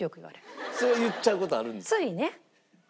それ言っちゃう事あるんですか？